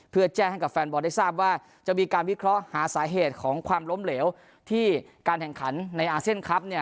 เพื่อแจ้งให้กับแฟนบอลได้ทราบว่าจะมีการวิเคราะห์หาสาเหตุของความล้มเหลวที่การแข่งขันในอาเซียนคลับเนี่ย